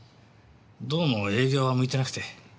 どうも営業は向いてなくて。